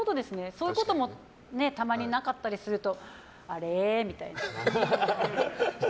そういうこともたまになかったりするとあれー？みたいな。